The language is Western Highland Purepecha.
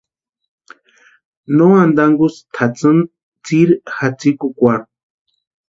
No ántankusti tʼatsïni tsiri jatsikwarhu.